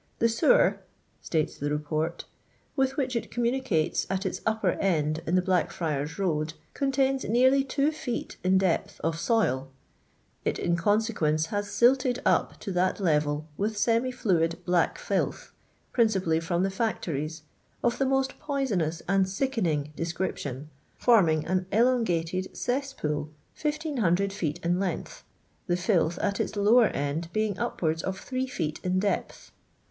The sewer," states the K«'port, " with which it communicates at iu upper end in the Blackfriars road contains nearly 2 feet in depth of soil ; it in consequence has silted up to that level with semi fluid black fllth, principally from the factories, of the most poisonous and sickening description, forming an don/jatcd C(SJtpvvl 1500 feet in length, the filth at its lower end being upwards of 3 feet in depth.